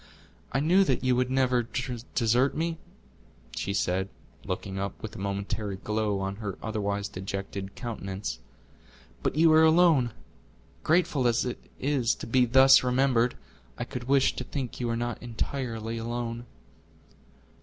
"I knew that you would never desert me," she said, looking up with a momentary glow on her otherwise dejected countenance. "But you are alone! Grateful as it is to be thus remembered, I could wish to think you are not entirely alone."